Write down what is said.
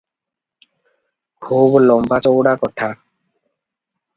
ଖୁବ୍ ଲମ୍ବାଚଉଡ଼ା କୋଠା ।